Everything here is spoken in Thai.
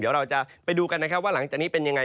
เดี๋ยวเราจะไปดูกันว่าหลังจากนี้เป็นอย่างไร